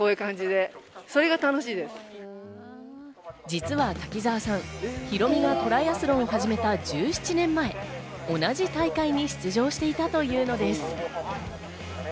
実は滝沢さん、ヒロミがトライアスロンを始めた１７年前、同じ大会に出場していたというのです。